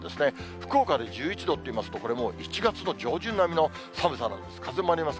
福岡で１１度といいますと、これもう、１月の上旬並みの寒さなんです。